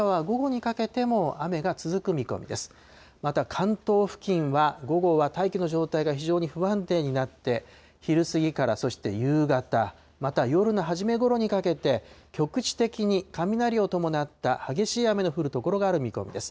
また関東付近は、午後は大気の状態が非常に不安定になって、昼過ぎから、そして夕方、また夜の初めごろにかけて、局地的に雷を伴った激しい雨の降る所がある見込みです。